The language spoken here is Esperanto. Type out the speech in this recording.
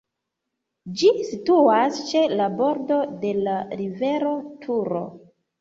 Ĝi situas ĉe la bordo de la rivero Turo.